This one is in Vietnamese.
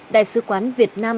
đại sứ quán việt nam